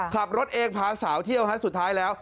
ขับรถเองพาสาวเที่ยวฮะสุดท้ายแล้ว